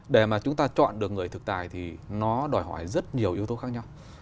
để mà chúng ta chọn được người thực tài thì nó đòi hỏi rất nhiều yếu tố khác nhau